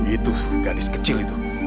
itu gadis kecil itu